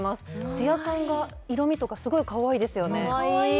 ツヤ感が色みとかすごいかわいいですよねかわいい！